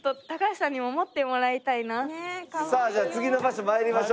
さあじゃあ次の場所参りましょう。